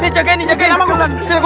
jagain nih jagain namamu